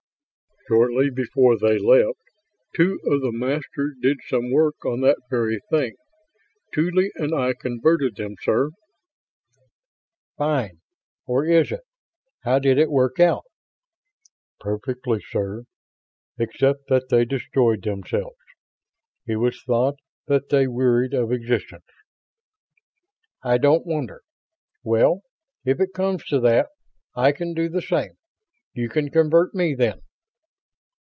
"Shortly before they left, two of the Masters did some work on that very thing. Tuly and I converted them, sir." "Fine or is it? How did it work out?" "Perfectly, sir ... except that they destroyed themselves. It was thought that they wearied of existence." "I don't wonder. Well, if it comes to that, I can do the same. You can convert me, then."